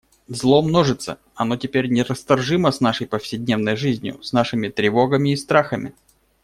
Зло множится, оно теперь нерасторжимо с нашей повседневной жизнью, с нашими тревогами и страхами.